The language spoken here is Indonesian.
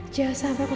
jahat sampai kok